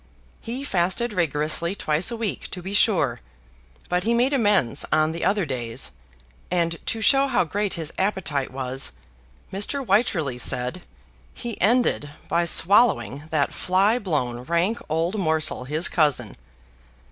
He fasted rigorously twice a week, to be sure; but he made amends on the other days: and, to show how great his appetite was, Mr. Wycherley said, he ended by swallowing that fly blown rank old morsel his cousin.